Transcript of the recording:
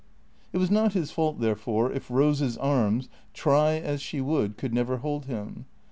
It was not his fault, therefore, if Rose's arms, try as she would, could never hold him.